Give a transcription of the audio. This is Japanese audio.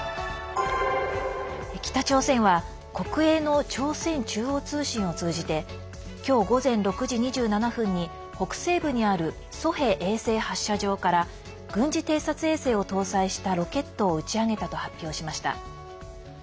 北朝鮮は国営の朝鮮中央通信を通じて今日午前６時２７分に北西部にあるソヘ衛星発射場から軍事偵察衛星を搭載したロケットを打ち上げたと発表しました。